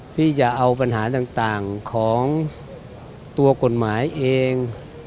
ที่จะเอาปัญหาต่างของตัวกฎหมายเอง